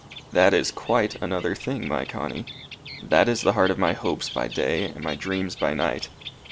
"That is quite another thing, my Connie. That is the heart of my hopes by day and my dreams by night.